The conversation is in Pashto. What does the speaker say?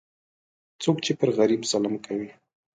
څوک چې پر غریب ظلم کوي،